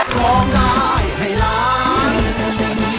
ของนายให้ล้าน